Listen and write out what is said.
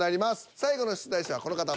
最後の出題者はこの方。